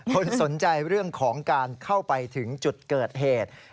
คนสนใจเรื่องของการเข้าไปถึงจุดเกิดเหตุ